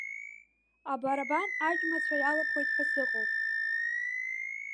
Абарабан аџьма-цәа иалырхуеит ҳәа сыҟоуп!